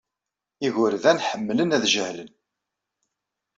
Igerdan ḥemmlen ad jehlen.